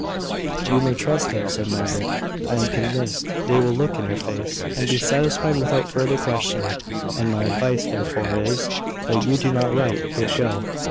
"You may trust them," said Margaret, "I am convinced. They will look in your face, and be satisfied without further question; and my advice, therefore, is, that you do not write, but go."